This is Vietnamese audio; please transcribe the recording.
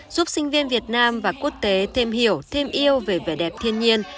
giúp sinh viên việt nam và quốc tế thêm hiểu thêm yêu về vẻ đẹp thiên nhiên